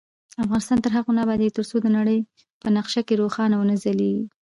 افغانستان تر هغو نه ابادیږي، ترڅو د نړۍ په نقشه کې روښانه ونه ځلیږو.